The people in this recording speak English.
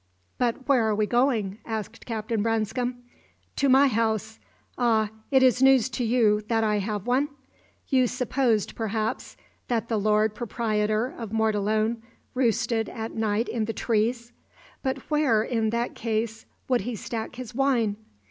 "But where are we going?" asked Captain Branscome. "To my house. Ah, it is news to you that I have one? You supposed, perhaps, that the Lord Proprietor of Mortallone roosted at night in the trees? But where, in that case, would he stack his wine?